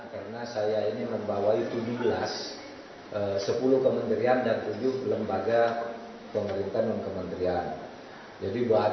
karena saya ini membawai tujuh belas sepuluh kementerian dan tujuh lembaga pemerintah dan kementerian